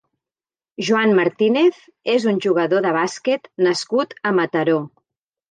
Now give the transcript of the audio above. Joan Martínez és un jugador de bàsquet nascut a Mataró.